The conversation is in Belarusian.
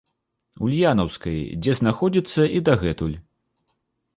Ульянаўскай, дзе знаходзіцца і дагэтуль.